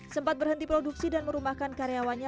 sempat berhenti produksi dan merumahkan karyawannya